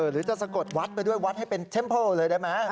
หรือจะสะกดวัดไปด้วยวัดให้เป็นเทมเพิลเลยได้ไหม